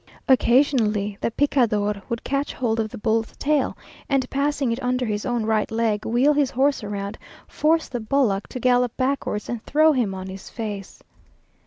Occasionally the picador would catch hold of the bull's tail, and passing it under his own right leg, wheel his horse round, force the bullock to gallop backwards, and throw him on his face.